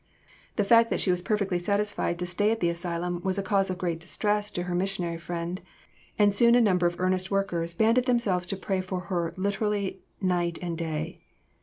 The fact that she was perfectly satisfied to stay at the asylum was a cause of great distress to her missionary friend, and soon a number of earnest workers banded themselves to pray for her "literally night and day."